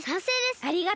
ありがとう。